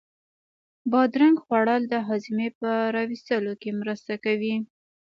بادرنگ خوړل د هاضمې په را وستلو کې مرسته کوي.